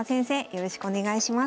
よろしくお願いします。